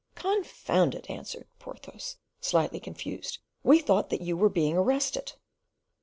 "Confound it," answered Porthos, slightly confused, "we thought that you were being arrested."